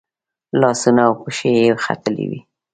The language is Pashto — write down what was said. لاسونه او پښې یې ختلي وي.